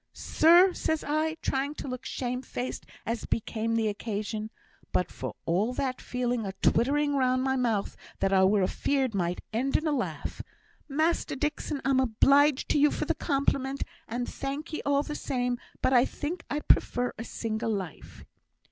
'Sir,' says I, trying to look shame faced as became the occasion, but for all that, feeling a twittering round my mouth that I were afeard might end in a laugh 'Master Dixon, I'm obleeged to you for the compliment, and thank ye all the same, but I think I'd prefer a single life.'